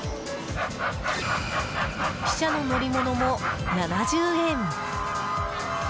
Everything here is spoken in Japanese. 汽車の乗り物も７０円。